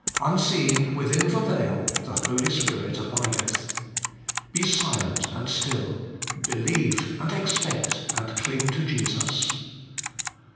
Unseen, within the veil, the Holy Spirit abideth. Be silent and still, believe and expect, and cling to Jesus.